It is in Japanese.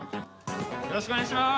よろしくお願いします！